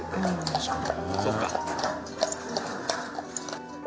そうか。